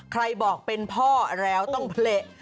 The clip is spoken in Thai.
ใครบอกเป็นพ่อแล้วต้องเละ